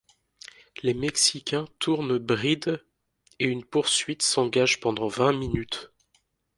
Les Mexicains tournent bride et une poursuite s’engage pendant vingt minutes.